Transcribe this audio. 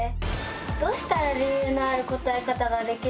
どうしたら理由のある答え方ができるんでしょうか？